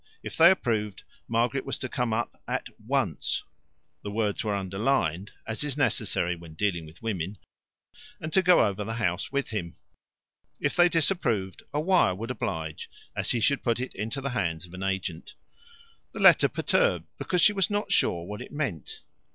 If they approved, Margaret was to come up AT ONCE the words were underlined, as is necessary when dealing with women and to go over the house with him. If they disapproved, a wire would oblige, as he should put it into the hands of an agent. The letter perturbed, because she was not sure what it meant.